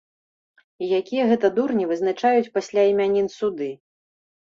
І якія гэта дурні вызначаюць пасля імянін суды?